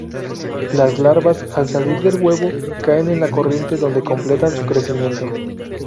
Las larvas, al salir del huevo, caen a la corriente donde completan su crecimiento.